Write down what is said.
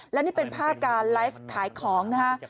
และนี่เป็นภาพการไลฟ์ขายของนะฮะ